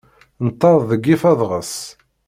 Neṭṭeḍ deg yif adɣes.